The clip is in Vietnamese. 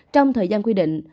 trong thời gian quy định